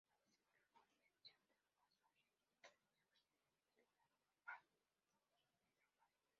Participó en la Convención de Aguascalientes como jefe militar con mando de tropas.